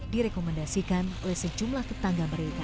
direkomendasikan oleh sejumlah tetangga mereka